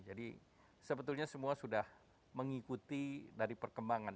jadi sebetulnya semua sudah mengikuti dari perkembangan